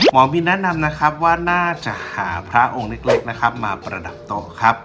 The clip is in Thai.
หมอบินแนะนำนะครับว่าน่าจะหาพระองค์เล็กนะครับมาประดับต่อครับ